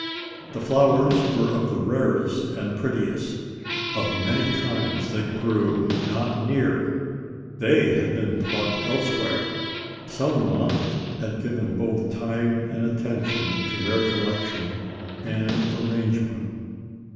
The flowers were of the rarest and prettiest of many kinds that grew not near. They had been plucked elsewhere. Some one had given both time and attention to their collection and arrangement.